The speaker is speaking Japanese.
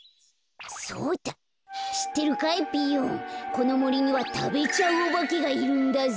このもりにはたべちゃうおばけがいるんだぞ。